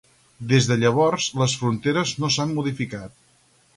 Des de llavors les fronteres no s'han modificat.